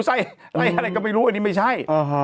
ไส้อะไรก็ไม่รู้อันนี้ไม่ใช่